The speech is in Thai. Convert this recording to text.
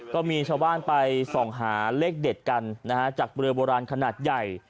ก็มีชาวบ้านไปส่องหาเลขเด็ดกันนะฮะจากเรือโบราณขนาดใหญ่